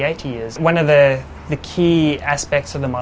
jadi kami perlu mengetahui apa yang akan terjadi